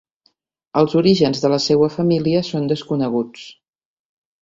Els orígens de la seua família són desconeguts.